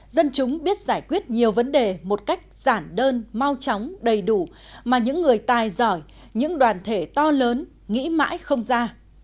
dân chúng biết giải quyết nhiều vấn đề một cách giản đơn mau chóng đầy đủ mà những người tài giỏi những đoàn thể to lớn nghĩ mãi không ra